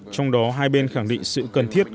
trong đó hai bên khẳng định sự cần thiết